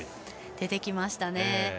出てきましたね。